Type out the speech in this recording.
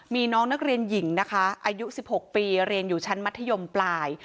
มีน้องนักเรียนหญิงนะคะอายุ๑๖ปีเรียนอยู่ชั้นมัธยมปลาย